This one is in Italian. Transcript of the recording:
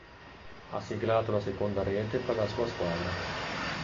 Ha siglato la seconda rete per la sua squadra.